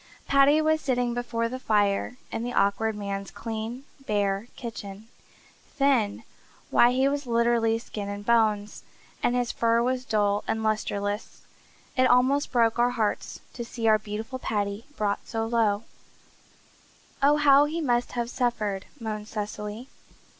Paddy was sitting before the fire in the Awkward Man's clean, bare kitchen. Thin! Why, he was literally skin and bone, and his fur was dull and lustreless. It almost broke our hearts to see our beautiful Paddy brought so low. "Oh, how he must have suffered!" moaned Cecily.